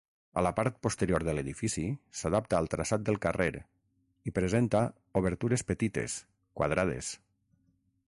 A la part posterior l'edifici s'adapta al traçat del carrer, i presenta obertures petites, quadrades.